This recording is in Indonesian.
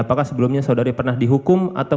apakah sebelumnya saudari pernah dihukum